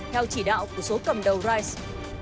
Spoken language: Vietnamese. theo chỉ đạo của số cầm đầu rise